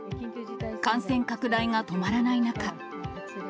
感染拡大が止まらない中。